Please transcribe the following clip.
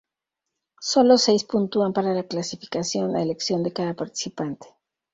Solo seis puntúan para la clasificación, a elección de cada participante.